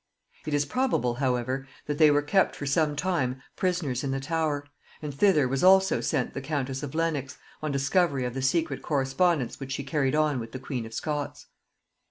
It is probable, however, that they were kept for some time prisoners in the Tower; and thither was also sent the countess of Lenox, on discovery of the secret correspondence which she carried on with the queen of Scots.